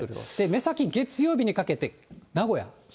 目先、月曜日にかけて、名古屋。